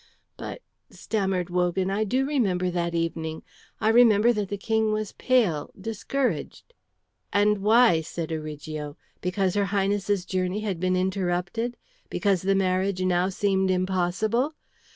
"But," stammered Wogan, "I do remember that evening. I remember that the King was pale, discouraged " "And why?" said Origo. "Because her Highness's journey had been interrupted, because the marriage now seemed impossible?